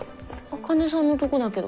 茜さんのとこだけど。